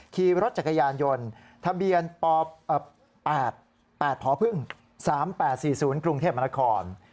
ขี่รถจักรยานยนต์ทะเบียนป๘๘พพ๓๘๔๐กรุงเทพมนาคม